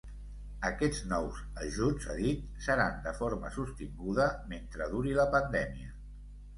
Aquests nous ajuts, ha dit, seran “de forma sostinguda” mentre duri la pandèmia.